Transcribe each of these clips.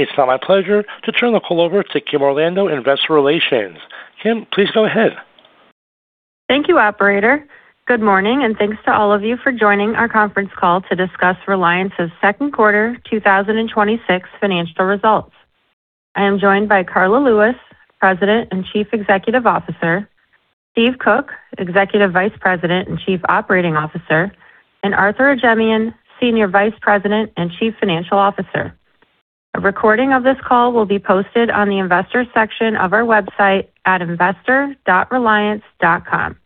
It's now my pleasure to turn the call over to Kim Orlando, Investor Relations. Kim, please go ahead. Thank you, operator. Good morning. Thanks to all of you for joining our conference call to discuss Reliance's second quarter 2026 financial results. I am joined by Karla Lewis, President and Chief Executive Officer, Steve Koch, Executive Vice President and Chief Operating Officer, and Arthur Ajemyan, Senior Vice President and Chief Financial Officer. A recording of this call will be posted on the investors section of our website at investor.reliance.com.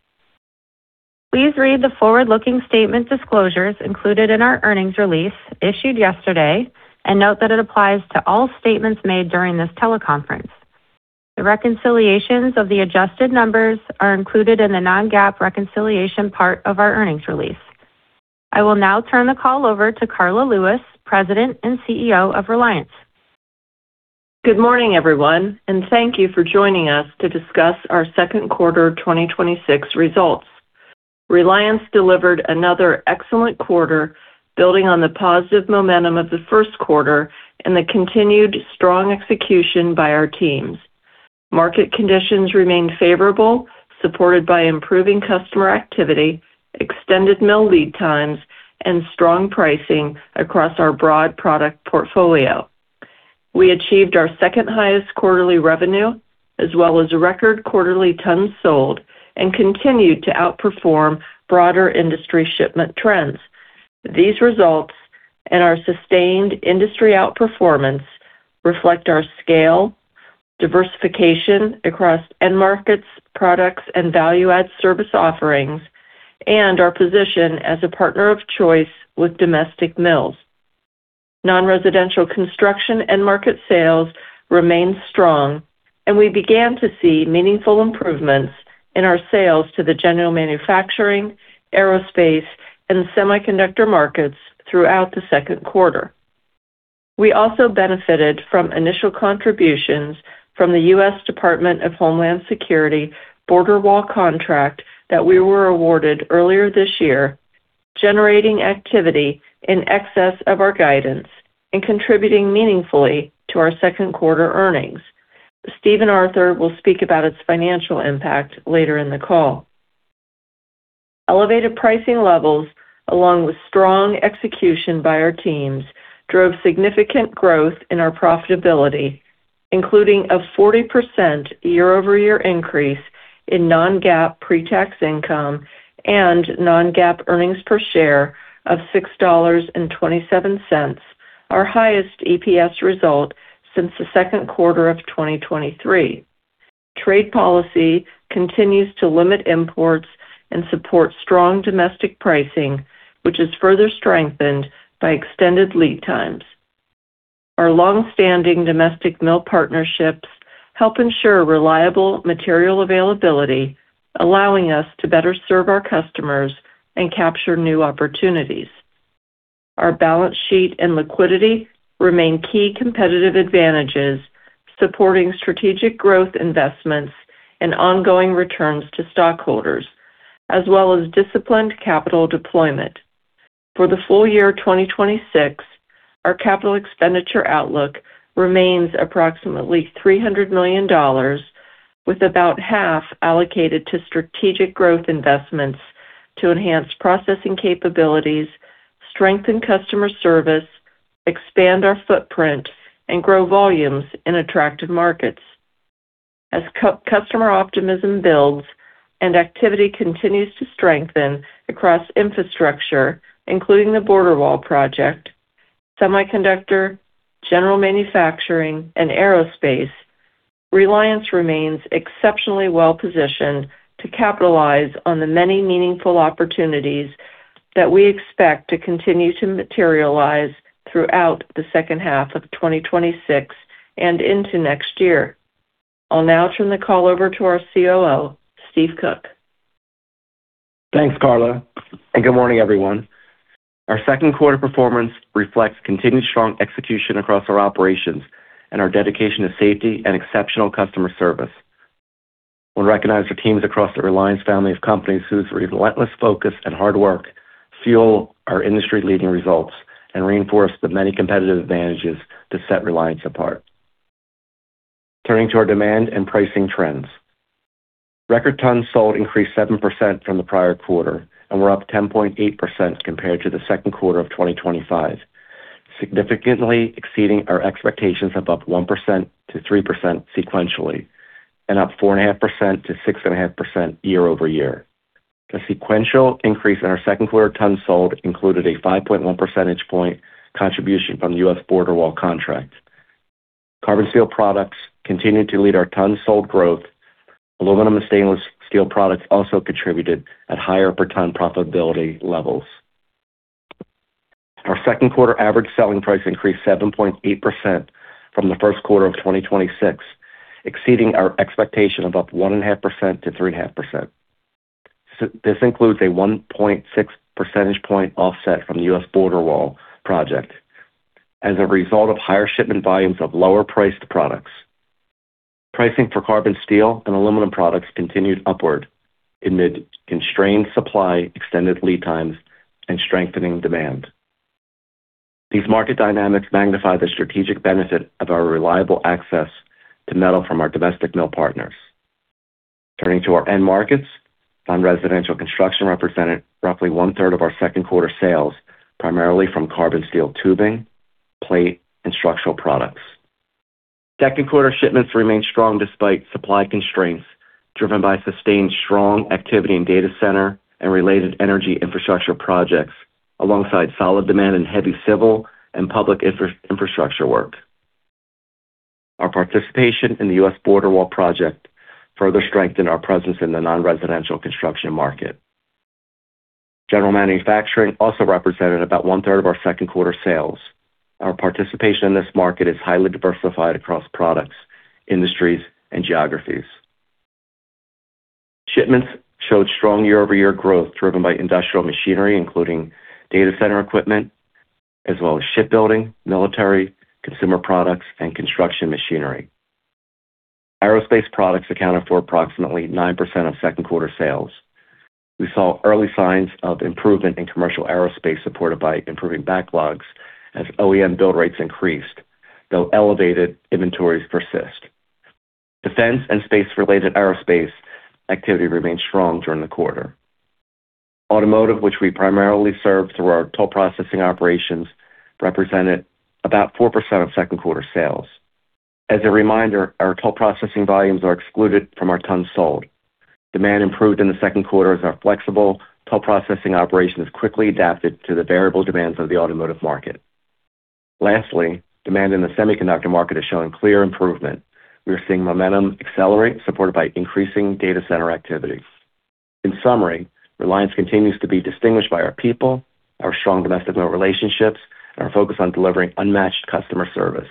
Please read the forward-looking statement disclosures included in our earnings release issued yesterday. Note that it applies to all statements made during this teleconference. The reconciliations of the adjusted numbers are included in the non-GAAP reconciliation part of our earnings release. I will now turn the call over to Karla Lewis, President and CEO of Reliance. Good morning, everyone. Thank you for joining us to discuss our second quarter 2026 results. Reliance delivered another excellent quarter, building on the positive momentum of the first quarter and the continued strong execution by our teams. Market conditions remained favorable, supported by improving customer activity, extended mill lead times, and strong pricing across our broad product portfolio. We achieved our second highest quarterly revenue, as well as record quarterly tons sold. Continued to outperform broader industry shipment trends. These results and our sustained industry outperformance reflect our scale, diversification across end markets, products, and value-add service offerings, and our position as a partner of choice with domestic mills. Non-residential construction and market sales remained strong. We began to see meaningful improvements in our sales to the general manufacturing, aerospace, and semiconductor markets throughout the second quarter. We also benefited from initial contributions from the U.S. Department of Homeland Security border wall contract that we were awarded earlier this year, generating activity in excess of our guidance and contributing meaningfully to our second quarter earnings. Steve and Arthur will speak about its financial impact later in the call. Elevated pricing levels, along with strong execution by our teams, drove significant growth in our profitability, including a 40% year-over-year increase in non-GAAP pre-tax income and non-GAAP earnings per share of $6.27, our highest EPS result since the second quarter of 2023. Trade policy continues to limit imports and support strong domestic pricing, which is further strengthened by extended lead times. Our longstanding domestic mill partnerships help ensure reliable material availability, allowing us to better serve our customers and capture new opportunities. Our balance sheet and liquidity remain key competitive advantages, supporting strategic growth investments and ongoing returns to stockholders, as well as disciplined capital deployment. For the full year 2026, our capital expenditure outlook remains approximately $300 million, with about half allocated to strategic growth investments to enhance processing capabilities, strengthen customer service, expand our footprint, and grow volumes in attractive markets. As customer optimism builds and activity continues to strengthen across infrastructure, including the U.S. border wall project, semiconductor, general manufacturing, and aerospace, Reliance remains exceptionally well-positioned to capitalize on the many meaningful opportunities that we expect to continue to materialize throughout the second half of 2026 and into next year. I'll now turn the call over to our COO, Steve Koch. Thanks, Karla, and good morning, everyone. Our second quarter performance reflects continued strong execution across our operations and our dedication to safety and exceptional customer service. We recognize the teams across the Reliance Family of Companies, whose relentless focus and hard work fuel our industry-leading results and reinforce the many competitive advantages that set Reliance apart. Turning to our demand and pricing trends. Record tons sold increased 7% from the prior quarter, and were up 10.8% compared to the second quarter of 2025, significantly exceeding our expectations of up 1%-3% sequentially and up 4.5%-6.5% year-over-year. The sequential increase in our second quarter tons sold included a 5.1 percentage point contribution from the U.S. border wall contract. Carbon steel products continued to lead our tons sold growth. Aluminum and stainless-steel products also contributed at higher per ton profitability levels. Our second quarter average selling price increased 7.8% from the first quarter of 2026, exceeding our expectation of up 1.5%-3.5%. This includes a 1.6 percentage point offset from the U.S. border wall project. As a result of higher shipment volumes of lower-priced products. Pricing for carbon steel and aluminum products continued upward amid constrained supply, extended lead times, and strengthening demand. These market dynamics magnify the strategic benefit of our reliable access to metal from our domestic mill partners. Turning to our end markets, non-residential construction represented roughly one-third of our second quarter sales, primarily from carbon steel tubing, plate, and structural products. Second quarter shipments remained strong despite supply constraints, driven by sustained strong activity in data center and related energy infrastructure projects, alongside solid demand in heavy civil and public infrastructure work. Our participation in the U.S. border wall project further strengthened our presence in the non-residential construction market. General manufacturing also represented about one-third of our second-quarter sales. Our participation in this market is highly diversified across products, industries, and geographies. Shipments showed strong year-over-year growth driven by industrial machinery, including data center equipment, as well as shipbuilding, military, consumer products, and construction machinery. Aerospace products accounted for approximately 9% of second-quarter sales. We saw early signs of improvement in commercial aerospace supported by improving backlogs as OEM build rates increased, though elevated inventories persist. Defense and space-related aerospace activity remained strong during the quarter. Automotive, which we primarily serve through our toll processing operations, represented about 4% of second-quarter sales. As a reminder, our toll processing volumes are excluded from our tons sold. Demand improved in the second quarter as our flexible toll processing operations quickly adapted to the variable demands of the automotive market. Demand in the semiconductor market is showing clear improvement. We are seeing momentum accelerate, supported by increasing data center activity. In summary, Reliance continues to be distinguished by our people, our strong domestic relationships, and our focus on delivering unmatched customer service.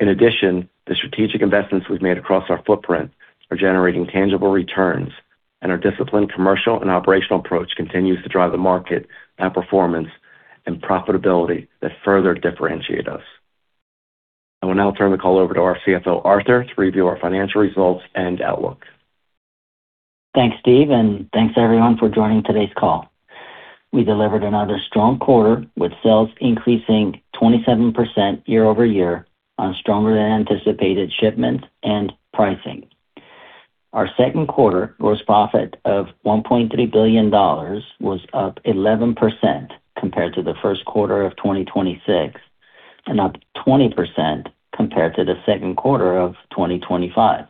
The strategic investments we've made across our footprint are generating tangible returns, and our disciplined commercial and operational approach continues to drive the market and performance and profitability that further differentiate us. I will now turn the call over to our CFO, Arthur, to review our financial results and outlook. Thanks, Steve, and thanks, everyone, for joining today's call. We delivered another strong quarter, with sales increasing 27% year-over-year on stronger-than-anticipated shipments and pricing. Our second quarter gross profit of $1.3 billion was up 11% compared to the first quarter of 2026 and up 20% compared to the second quarter of 2025.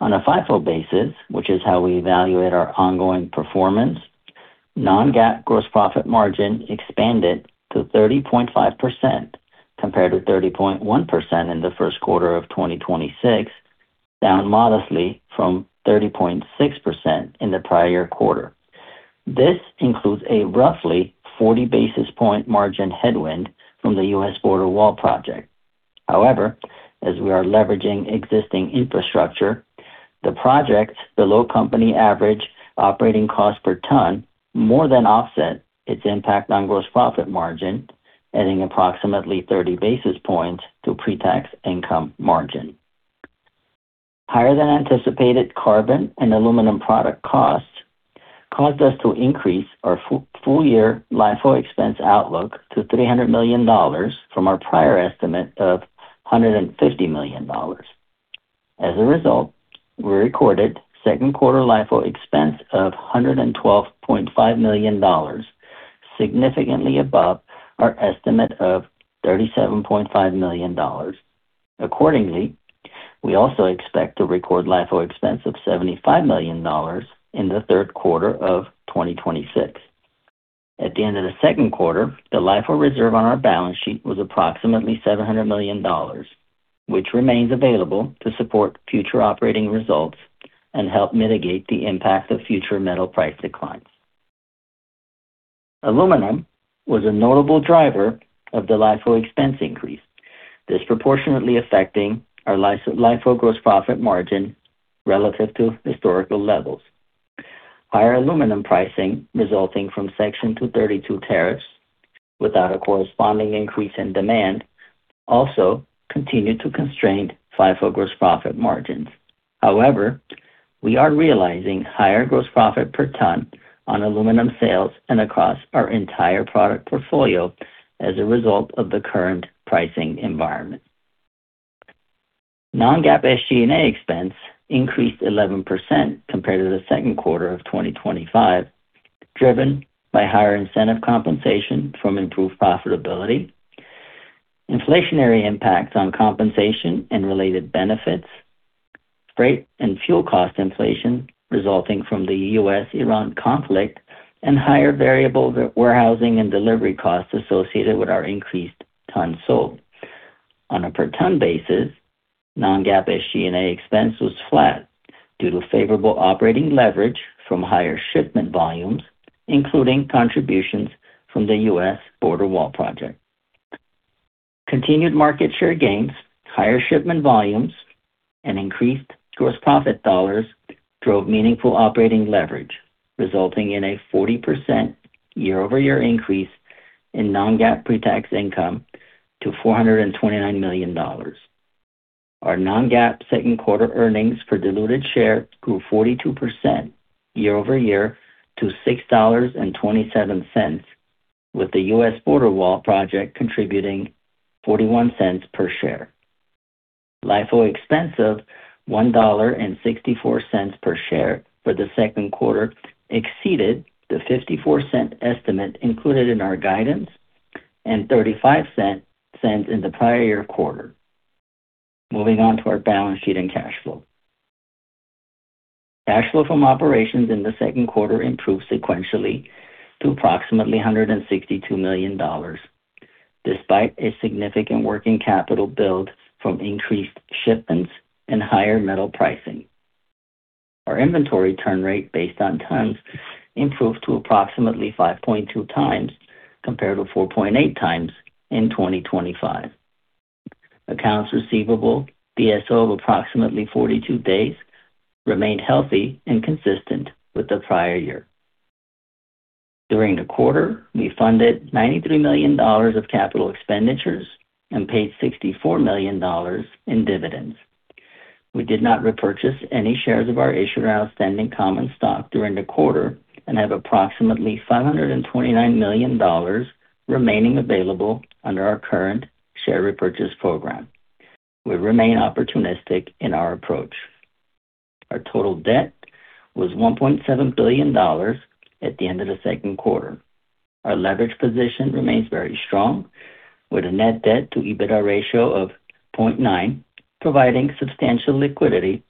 On a FIFO basis, which is how we evaluate our ongoing performance, non-GAAP gross profit margin expanded to 30.5% compared to 30.1% in the first quarter of 2026, down modestly from 30.6% in the prior quarter. This includes a roughly 40 basis point margin headwind from the U.S. border wall project. However, as we are leveraging existing infrastructure, the project below company average operating cost per ton more than offset its impact on gross profit margin, adding approximately 30 basis points to pre-tax income margin. Higher-than-anticipated carbon and aluminum product costs caused us to increase our full-year LIFO expense outlook to $300 million from our prior estimate of $150 million. As a result, we recorded second-quarter LIFO expense of $112.5 million, significantly above our estimate of $37.5 million. Accordingly, we also expect to record LIFO expense of $75 million in the third quarter of 2026. At the end of the second quarter, the LIFO reserve on our balance sheet was approximately $700 million, which remains available to support future operating results and help mitigate the impact of future metal price declines. Aluminum was a notable driver of the LIFO expense increase, disproportionately affecting our LIFO gross profit margin relative to historical levels. Higher aluminum pricing resulting from Section 232 tariffs without a corresponding increase in demand also continued to constrain FIFO gross profit margins. We are realizing higher gross profit per ton on aluminum sales and across our entire product portfolio as a result of the current pricing environment. Non-GAAP SG&A expense increased 11% compared to the second quarter of 2025, driven by higher incentive compensation from improved profitability, inflationary impacts on compensation and related benefits, freight and fuel cost inflation resulting from the U.S.-Iran conflict, and higher variable warehousing and delivery costs associated with our increased tons sold. On a per-ton basis, non-GAAP SG&A expense was flat due to favorable operating leverage from higher shipment volumes, including contributions from the U.S. border wall project. Continued market share gains, higher shipment volumes, and increased gross profit dollars drove meaningful operating leverage, resulting in a 40% year-over-year increase in non-GAAP pretax income to $429 million. Our non-GAAP second quarter earnings per diluted share grew 42% year-over-year to $6.27, with the U.S. border wall project contributing $0.41 per share. LIFO expense of $1.64 per share for the second quarter exceeded the $0.54 estimate included in our guidance and $0.35 in the prior year quarter. Moving on to our balance sheet and cash flow. Cash flow from operations in the second quarter improved sequentially to approximately $162 million, despite a significant working capital build from increased shipments and higher metal pricing. Our inventory turn rate based on tons improved to approximately 5.2 times, compared to 4.8 times in 2025. Accounts receivable DSO of approximately 42 days remained healthy and consistent with the prior year. During the quarter, we funded $93 million of capital expenditures and paid $64 million in dividends. We did not repurchase any shares of our issued and outstanding common stock during the quarter and have approximately $529 million remaining available under our current share repurchase program. We remain opportunistic in our approach. Our total debt was $1.7 billion at the end of the second quarter. Our leverage position remains very strong, with a net debt to EBITDA ratio of 0.9, providing substantial liquidity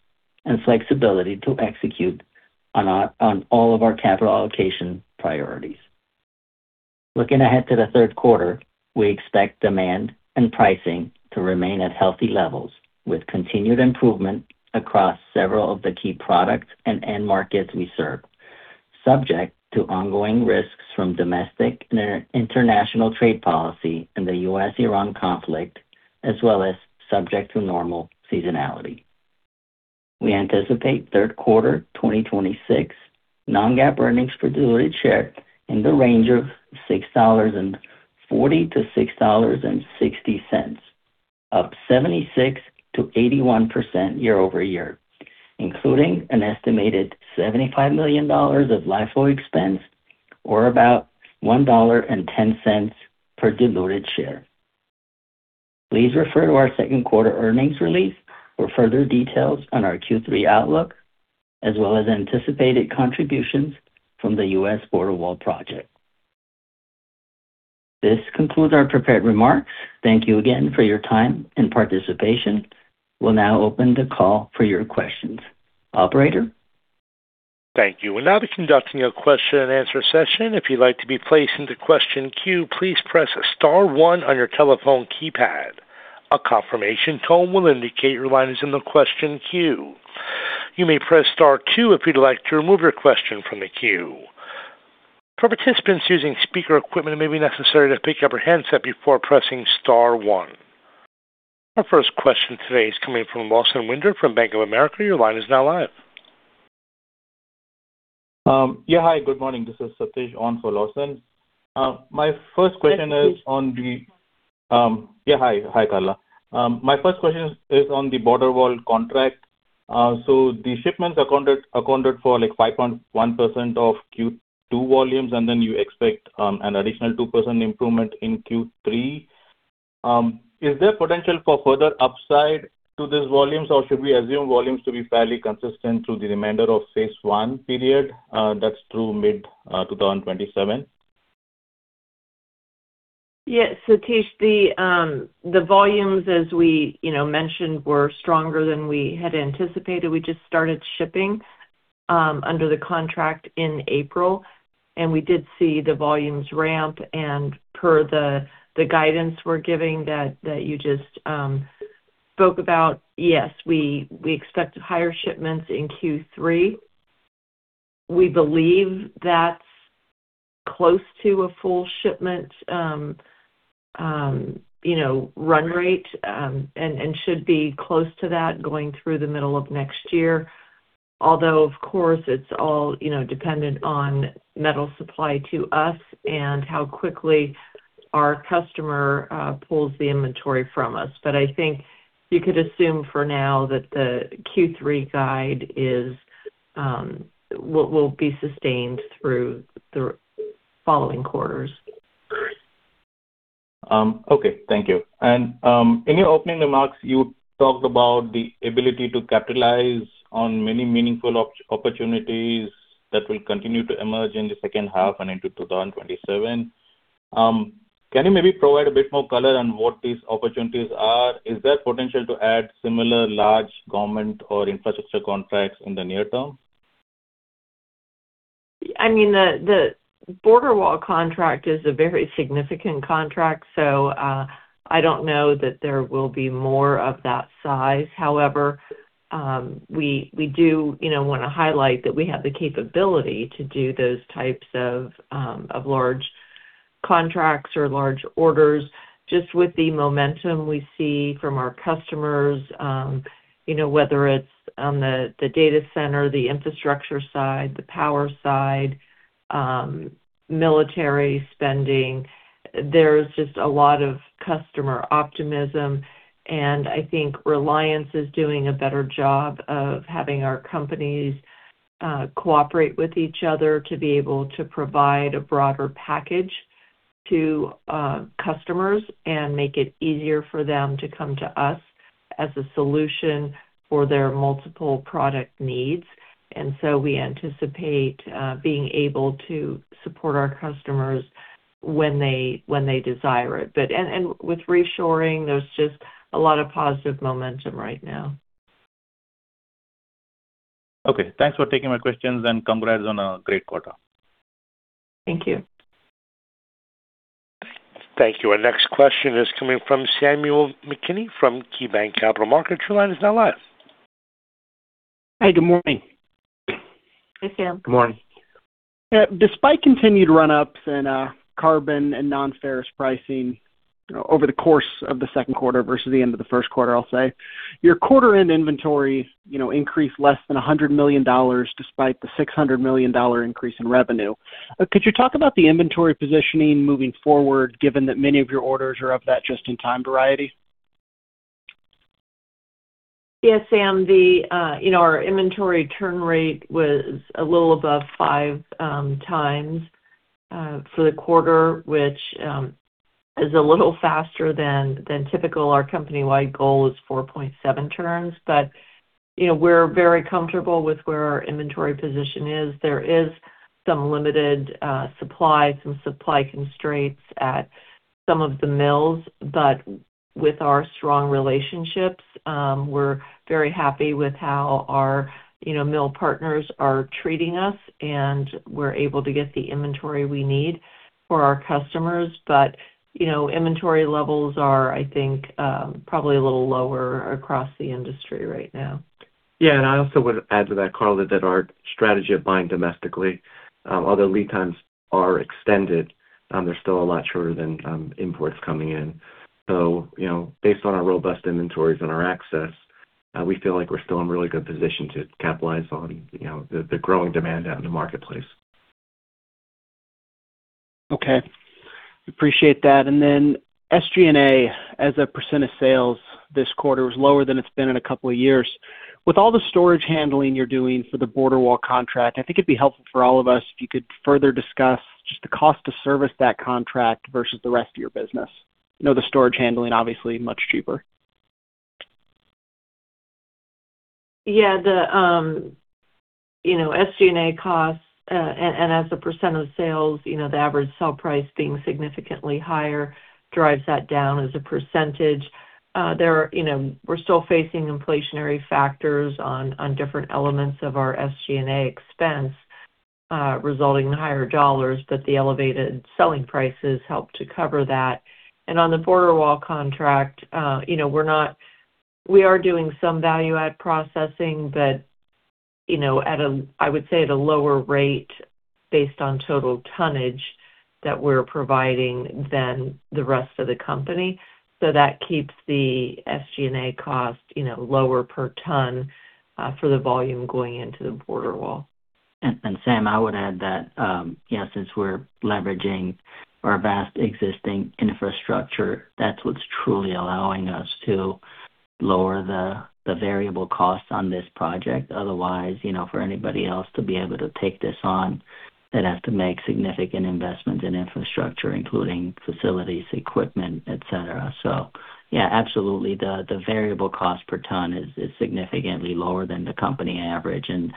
and flexibility to execute on all of our capital allocation priorities. Looking ahead to the third quarter, we expect demand and pricing to remain at healthy levels, with continued improvement across several of the key products and end markets we serve, subject to ongoing risks from domestic and international trade policy in the U.S.-Iran conflict, as well as subject to normal seasonality. We anticipate third quarter 2026 non-GAAP earnings per diluted share in the range of $6.40 to $6.60, up 76%-81% year-over-year, including an estimated $75 million of LIFO expense or about $1.10 per diluted share. Please refer to our second quarter earnings release for further details on our Q3 outlook, as well as anticipated contributions from the U.S. border wall project. This concludes our prepared remarks. Thank you again for your time and participation. We will now open the call for your questions. Operator? Thank you. We will now be conducting a question-and-answer session. If you would like to be placed into question queue, please press star one on your telephone keypad. A confirmation tone will indicate your line is in the question queue. You may press star two if you would like to remove your question from the queue. For participants using speaker equipment, it may be necessary to pick up your handset before pressing star one. Our first question today is coming from Lawson Winder from Bank of America. Your line is now live. Yeah. Hi, good morning. This is Satish on for Lawson. My first question is on the- Hi, Satish. Yeah. Hi, Karla. My first question is on the border wall contract. The shipments accounted for 5.1% of Q2 volumes, and then you expect an additional 2% improvement in Q3. Is there potential for further upside to these volumes, or should we assume volumes to be fairly consistent through the remainder of phase one period? That's through mid-2027. Yeah, Satish, the volumes, as we mentioned, were stronger than we had anticipated. We just started shipping under the contract in April, and we did see the volumes ramp and per the guidance we're giving that you just spoke about, yes, we expect higher shipments in Q3. We believe that's close to a full shipment run rate, and should be close to that going through the middle of next year. Of course, it's all dependent on metal supply to us and how quickly our customer pulls the inventory from us. I think you could assume for now that the Q3 guide will be sustained through the following quarters. Okay. Thank you. In your opening remarks, you talked about the ability to capitalize on many meaningful opportunities that will continue to emerge in the second half and into 2027. Can you maybe provide a bit more color on what these opportunities are? Is there potential to add similar large government or infrastructure contracts in the near term? The border wall contract is a very significant contract, I don't know that there will be more of that size. However, we do want to highlight that we have the capability to do those types of large contracts or large orders. Just with the momentum we see from our customers, whether it's on the data center, the infrastructure side, the power side Military spending. There's just a lot of customer optimism; I think Reliance is doing a better job of having our companies cooperate with each other to be able to provide a broader package to customers and make it easier for them to come to us as a solution for their multiple product needs. We anticipate being able to support our customers when they desire it. With reshoring, there's just a lot of positive momentum right now. Okay. Thanks for taking my questions, congrats on a great quarter. Thank you. Thank you. Our next question is coming from Samuel McKinney from KeyBanc Capital Markets. Your line is now live. Hi, good morning. Hey, Sam. Good morning. Yeah. Despite continued run-ups in carbon and non-ferrous pricing over the course of the second quarter versus the end of the first quarter, I'll say, your quarter-end inventory increased less than $100 million, despite the $600 million increase in revenue. Could you talk about the inventory positioning moving forward, given that many of your orders are of that just-in-time variety? Yes, Sam. Our inventory turn rate was a little above five times, for the quarter, which is a little faster than typical. Our company-wide goal is 4.7 turns. We're very comfortable with where our inventory position is. There is some limited supply, some supply constraints at some of the mills. With our strong relationships, we're very happy with how our mill partners are treating us, and we're able to get the inventory we need for our customers. Inventory levels are, I think, probably a little lower across the industry right now. Yeah, I also would add to that, Karla, that our strategy of buying domestically, although lead times are extended, they're still a lot shorter than imports coming in. Based on our robust inventories and our access, we feel like we're still in a really good position to capitalize on the growing demand out in the marketplace. Okay. Appreciate that. SG&A as a % of sales this quarter was lower than it's been in a couple of years. With all the storage handling you're doing for the border wall contract, I think it'd be helpful for all of us if you could further discuss just the cost to service that contract versus the rest of your business. I know the storage handling, obviously, much cheaper. Yeah, the SG&A costs, as a % of sales, the average sale price being significantly higher drives that down as a percentage. We're still facing inflationary factors on different elements of our SG&A expense, resulting in higher dollars, the elevated selling prices help to cover that. On the border wall contract, we are doing some value-add processing, but I would say at a lower rate based on total tonnage that we're providing than the rest of the company. That keeps the SG&A cost lower per ton for the volume going into the border wall. Sam, I would add that since we're leveraging our vast existing infrastructure, that's what's truly allowing us to lower the variable costs on this project. Otherwise, for anybody else to be able to take this on, they'd have to make significant investments in infrastructure, including facilities, equipment, et cetera. Yeah, absolutely, the variable cost per ton is significantly lower than the company average, and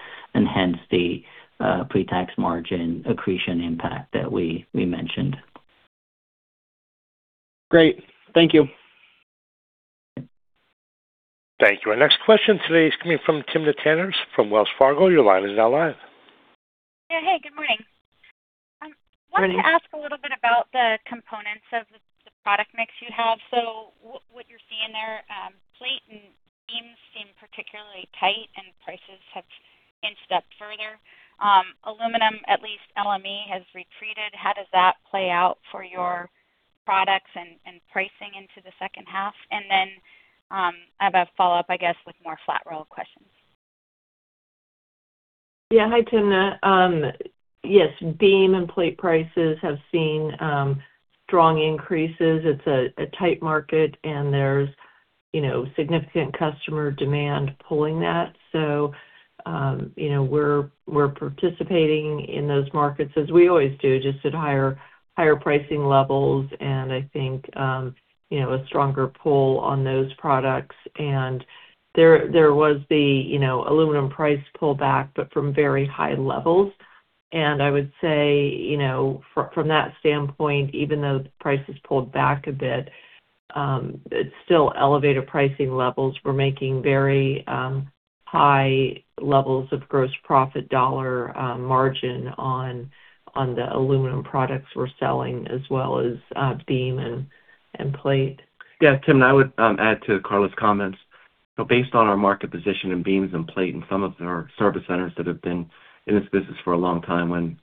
hence the pre-tax margin accretion impact that we mentioned. Great. Thank you. Thank you. Our next question today is coming from Timna Tanners from Wells Fargo. Your line is now live. Yeah. Hey, good morning. Morning. Wanted to ask a little bit about the components of the product mix you have. What you're seeing there, plate and beams seem particularly tight, and prices have inched up further. Aluminum, at least LME, has retreated. How does that play out for your products and pricing into the second half? I have a follow-up, I guess, with more flat roll questions. Yeah. Hi, Timna. Yes, beam and plate prices have seen strong increases. It's a tight market, and there's significant customer demand pulling that. We're participating in those markets, as we always do, just at higher pricing levels. I think a stronger pull on those products. There was the aluminum price pullback, but from very high levels. I would say from that standpoint, even though the price has pulled back a bit, it's still elevated pricing levels. We're making very high levels of gross profit dollar margin on the aluminum products we're selling, as well as beam and plate. Yeah, Timna, I would add to Karla's comments. Based on our market position in beams and plate in some of our service centers that have been in this business for a long time, when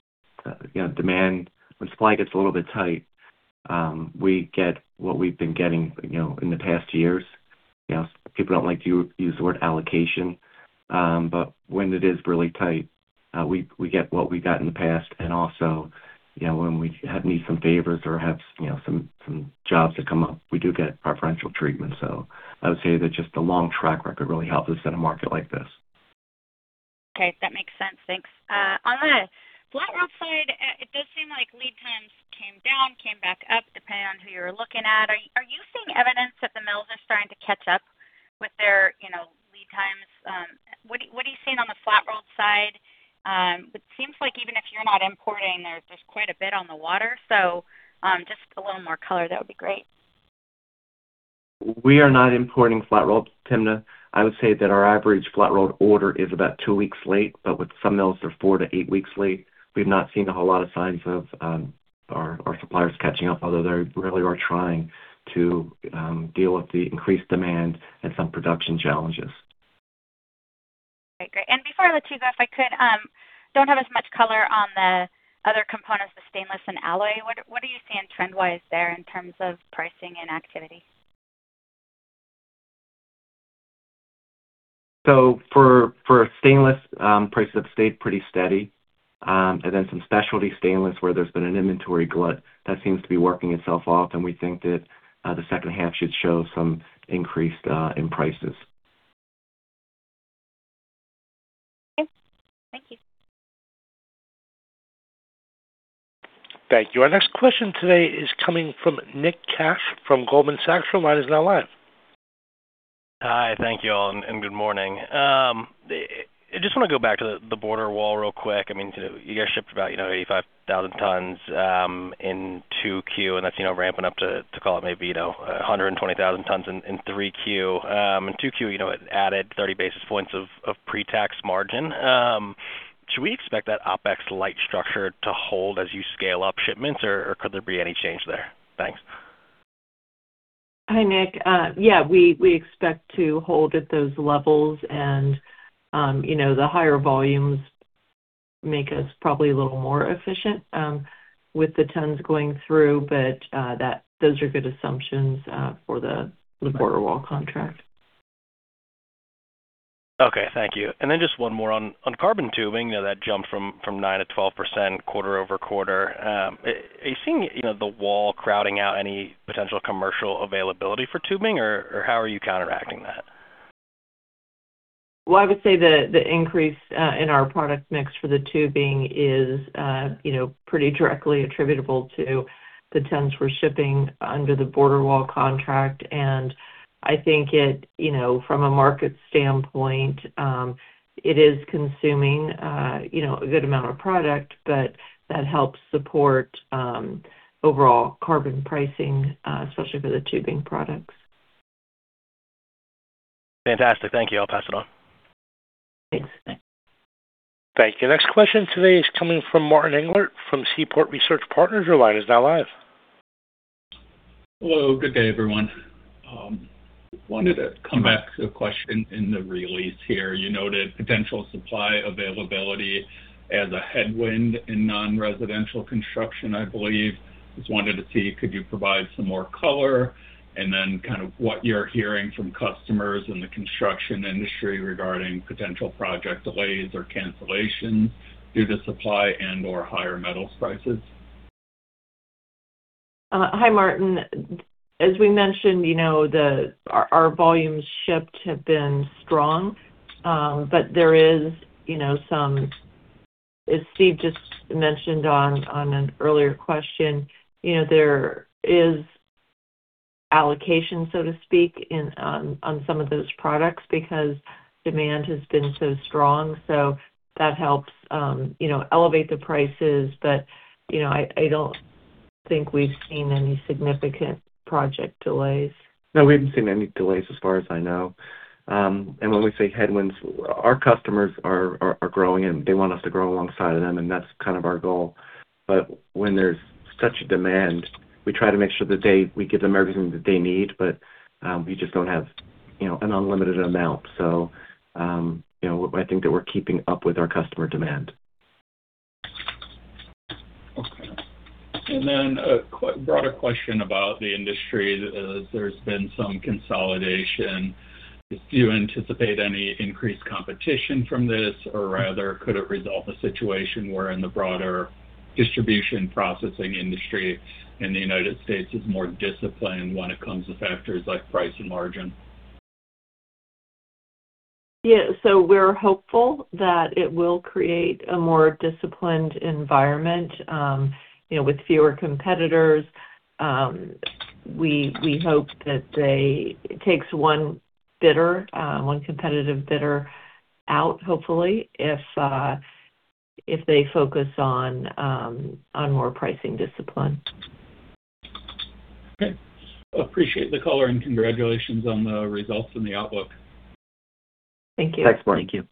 supply gets a little bit tight We get what we've been getting in the past years. People don't like to use the word allocation, but when it is really tight, we get what we got in the past. Also, when we need some favors or have some jobs that come up, we do get preferential treatment. I would say that just the long track record really helps us in a market like this. Okay. That makes sense. Thanks. On the flat-rolled side, it does seem like lead times came down, came back up, depending on who you're looking at. Are you seeing evidence that the mills are starting to catch up with their lead times? What are you seeing on the flat-rolled side? It seems like even if you're not importing, there's quite a bit on the water. Just a little more color, that would be great. We are not importing flat rolls, Timna. I would say that our average flat-rolled order is about two weeks late, but with some mills, they're four to eight weeks late. We've not seen a whole lot of signs of our suppliers catching up, although they really are trying to deal with the increased demand and some production challenges. Great. I don't have as much color on the other components, the stainless and alloy. What are you seeing trend-wise there in terms of pricing and activity? For stainless, prices have stayed pretty steady. Some specialty stainless where there's been an inventory glut, that seems to be working itself off, and we think that the second half should show some increase in prices. Okay. Thank you. Thank you. Our next question today is coming from Nick Cash from Goldman Sachs. Your line is now live. Hi, thank you all, and good morning. I just want to go back to the border wall real quick. You guys shipped about 85,000 tons in Q2, that's ramping up to call it maybe 120,000 tons in Q3. In Q2, it added 30 basis points of pre-tax margin. Should we expect that OpEx light structure to hold as you scale up shipments, or could there be any change there? Thanks. Hi, Nick. Yeah, we expect to hold at those levels, and the higher volumes make us probably a little more efficient with the tons going through. Those are good assumptions for the border wall contract. Okay, thank you. Just one more on carbon tubing, that jumped from 9%-12% quarter-over-quarter. Are you seeing the wall crowding out any potential commercial availability for tubing, or how are you counteracting that? Well, I would say the increase in our product mix for the tubing is pretty directly attributable to the tons we're shipping under the border wall contract, and I think from a market standpoint, it is consuming a good amount of product, but that helps support overall carbon pricing, especially for the tubing products. Fantastic. Thank you. I will pass it on. Thanks. Thank you. Next question today is coming from Martin Englert from Seaport Research Partners. Your line is now live. Hello. Good day, everyone. Wanted to come back to a question in the release here. You noted potential supply availability as a headwind in non-residential construction, I believe. Just wanted to see, could you provide some more color, and then what you are hearing from customers in the construction industry regarding potential project delays or cancellations due to supply and/or higher metals prices? Hi, Martin. As we mentioned, our volumes shipped have been strong. As Steve just mentioned on an earlier question, there is allocation, so to speak, on some of those products because demand has been so strong. That helps elevate the prices. I don't think we have seen any significant project delays. No, we haven't seen any delays as far as I know. When we say headwinds, our customers are growing, and they want us to grow alongside of them. That's kind of our goal. When there's such a demand, we try to make sure that we give them everything that they need. We just don't have an unlimited amount. I think that we're keeping up with our customer demand. Okay. A broader question about the industry, as there's been some consolidation. Do you anticipate any increased competition from this, or rather, could it result a situation where in the broader distribution processing industry in the U.S. is more disciplined when it comes to factors like price and margin? Yeah. We're hopeful that it will create a more disciplined environment with fewer competitors. We hope that it takes one competitive bidder out, hopefully, if they focus on more pricing discipline. Okay. Appreciate the color and congratulations on the results and the outlook. Thank you. Thanks, Martin. Thank you.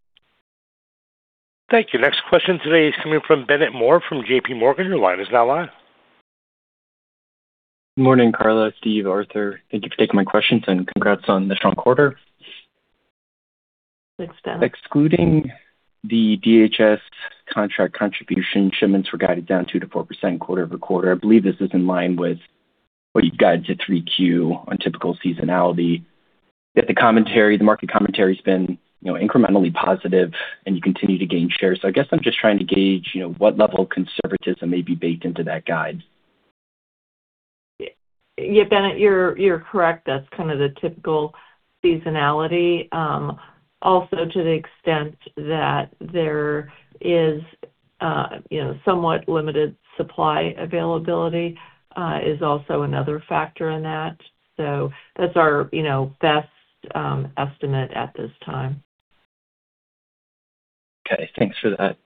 Next question today is coming from Bennett Moore from J.P. Morgan. Your line is now live. Morning, Karla, Steve, Arthur. Thank you for taking my questions, and congrats on the strong quarter. Excluding the DHS contract contribution, shipments were guided down 2%-4% quarter-over-quarter. I believe this is in line with what you've guided to 3Q on typical seasonality. The commentary, the market commentary's been incrementally positive and you continue to gain share. I guess I'm just trying to gauge what level of conservatism may be baked into that guide. Yeah, Bennett, you're correct. That's kind of the typical seasonality. To the extent that there is somewhat limited supply availability, is also another factor in that. That's our best estimate at this time. Okay. Thanks for that.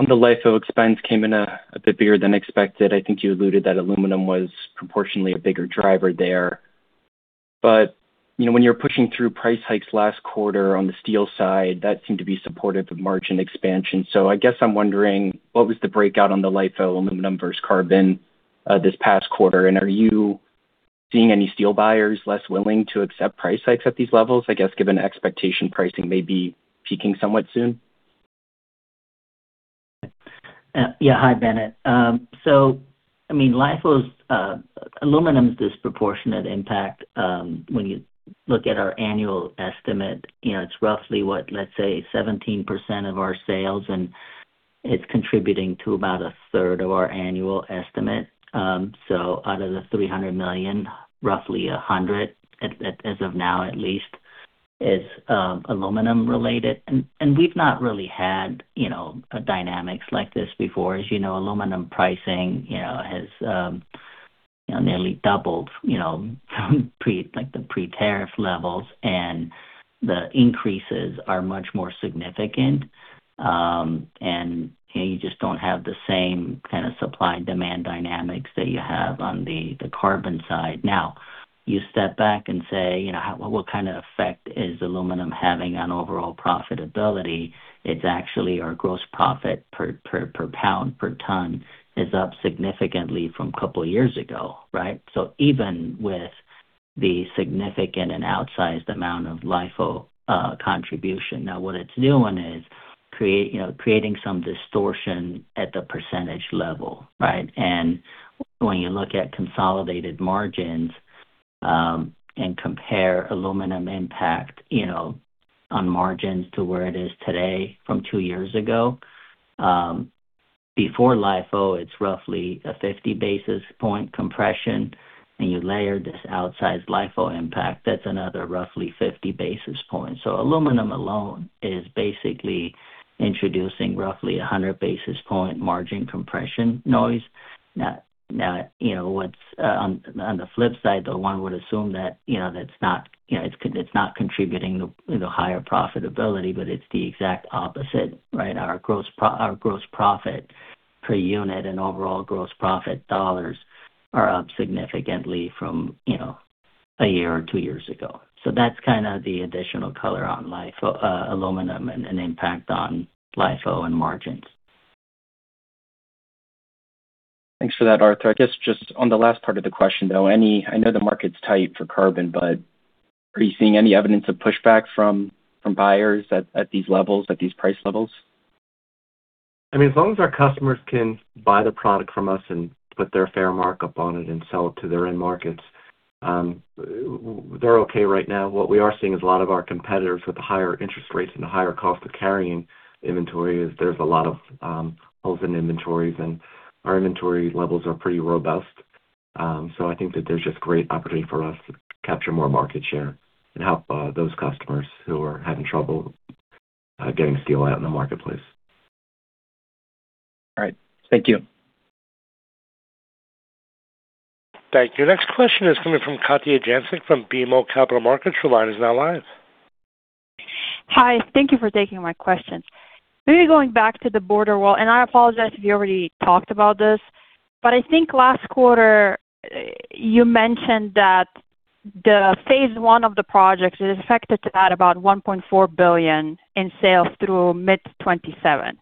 On the LIFO expense came in a bit bigger than expected. I think you alluded that aluminum was proportionately a bigger driver there. When you were pushing through price hikes last quarter on the steel side, that seemed to be supportive of margin expansion. I guess I'm wondering, what was the breakout on the LIFO aluminum versus carbon this past quarter, and are you seeing any steel buyers less willing to accept price hikes at these levels, I guess, given expectation pricing may be peaking somewhat soon? Yeah. Hi, Bennett. Aluminum's disproportionate impact, when you look at our annual estimate, it's roughly, what, let's say 17% of our sales, and it's contributing to about a third of our annual estimate. Out of the $300 million, roughly $100, as of now at least, is aluminum related. We've not really had dynamics like this before. As you know, aluminum pricing has nearly doubled from the pre-tariff levels, the increases are much more significant. You just don't have the same kind of supply and demand dynamics that you have on the carbon side. You step back and say, "What kind of effect is aluminum having on overall profitability?" It's actually our gross profit per pound, per ton, is up significantly from a couple of years ago, right? Even with the significant and outsized amount of LIFO contribution. What it's doing is creating some distortion at the percentage level, right? When you look at consolidated margins and compare aluminum impact on margins to where it is today from two years ago, before LIFO, it's roughly a 50-basis point compression. You layer this outsized LIFO impact; that's another roughly 50 basis points. Aluminum alone is basically introducing roughly 100 basis point margin compression noise. On the flip side, though, one would assume that it's not contributing to higher profitability, it's the exact opposite, right? Our gross profit per unit and overall gross profit dollars are up significantly from a year or two years ago. That's the additional color on aluminum and impact on LIFO and margins. Thanks for that, Arthur. I guess, just on the last part of the question, though, I know the market's tight for carbon, but are you seeing any evidence of pushback from buyers at these price levels? As long as our customers can buy the product from us and put their fair markup on it and sell it to their end markets, they're okay right now. What we are seeing is a lot of our competitors with the higher interest rates and the higher cost of carrying inventory is there's a lot of open inventories, and our inventory levels are pretty robust. I think that there's just great opportunity for us to capture more market share and help those customers who are having trouble getting steel out in the marketplace. All right. Thank you. Thank you. Next question is coming from Katja Jancic from BMO Capital Markets. Your line is now live. Hi. Thank you for taking my question. Maybe going back to the border wall, I apologize if you already talked about this, I think last quarter you mentioned that the phase one of the project is expected to add about $1.4 billion in sales through mid-2027.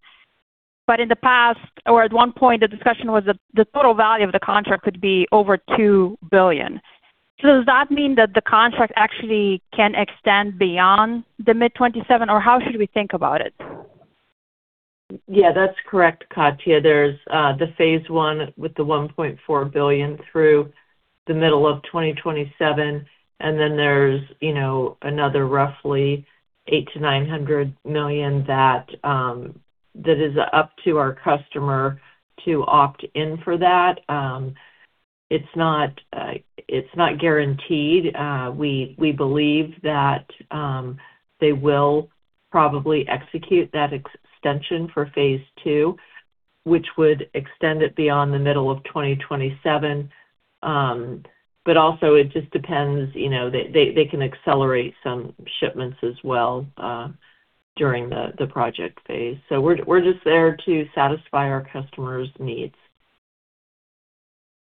In the past, or at one point, the discussion was that the total value of the contract could be over $2 billion. Does that mean that the contract actually can extend beyond the mid-2027, or how should we think about it? Yeah, that's correct, Katja. There's the phase one with the $1.4 billion through the middle of 2027, there's another roughly $800 million-$900 million that is up to our customer to opt in for that. It's not guaranteed. We believe that they will probably execute that extension for phase two, which would extend it beyond the middle of 2027. Also, it just depends. They can accelerate some shipments as well during the project phase. We're just there to satisfy our customers' needs.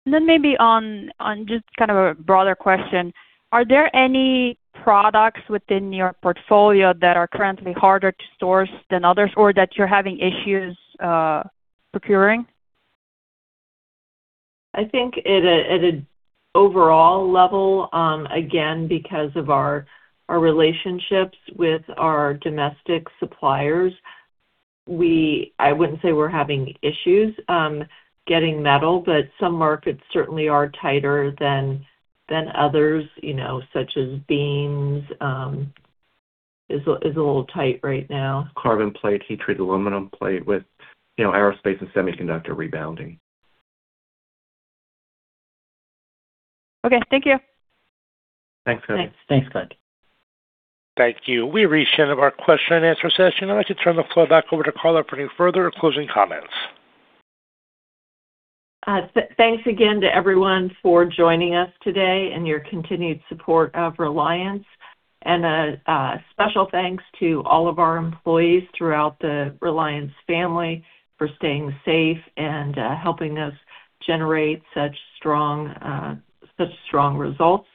Maybe on just kind of a broader question, are there any products within your portfolio that are currently harder to source than others or that you're having issues procuring? I think at an overall level, again, because of our relationships with our domestic suppliers, I wouldn't say we're having issues getting metal, some markets certainly are tighter than others, such as beams, is a little tight right now. Carbon plate, heat-treated aluminum plate with aerospace and semiconductor rebounding. Okay. Thank you. Thanks. Thanks. Thanks, Katja. Thank you. We've reached the end of our question and answer session. I'd like to turn the floor back over to Karla for any further or closing comments. Thanks again to everyone for joining us today and your continued support of Reliance. A special thanks to all of our employees throughout the Reliance Family for staying safe and helping us generate such strong results.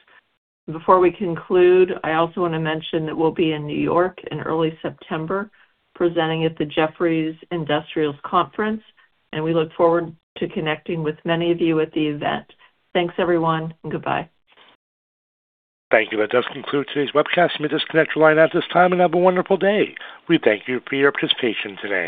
Before we conclude, I also want to mention that we'll be in New York in early September presenting at the Jefferies Industrials Conference, and we look forward to connecting with many of you at the event. Thanks, everyone, and goodbye. Thank you. That does conclude today's webcast. You may disconnect your line at this time, and have a wonderful day. We thank you for your participation today.